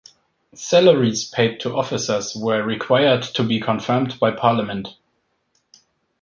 Salaries paid to officers were required to be confirmed by parliament.